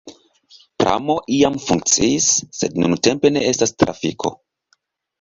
Pramo iam funkciis, sed nuntempe ne estas trafiko.